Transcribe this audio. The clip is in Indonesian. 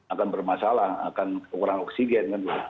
akan bermasalah akan kekurangan oksigen